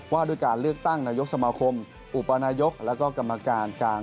ว่าด้วยการเลือกตั้งนายกสมาคมอุปนายกและก็กรรมการกลาง